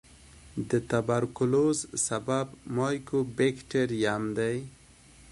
د توبرکلوس سبب مایکوبیکټریم دی.